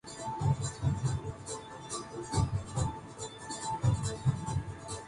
ترکی کے بعد یہ قافلہ بکھر گیا